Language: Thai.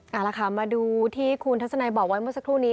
เอาละค่ะมาดูที่คุณทัศนัยบอกไว้เมื่อสักครู่นี้